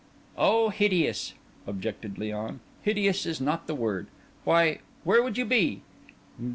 "Oh, hideous!" objected Léon. "Hideous is not the word. Why, where would you be?